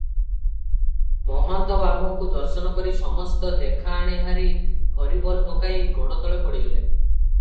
ମହନ୍ତ ବାବାଙ୍କୁ ଦର୍ଶନ କରି ସମସ୍ତ ଦେଖଣାହାରୀ ହରିବୋଲ ପକାଇ ଗୋଡତଳେ ପଡ଼ିଗଲେ ।